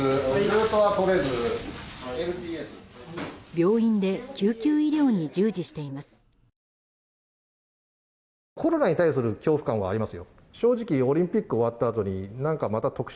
病院で救急医療に従事しています。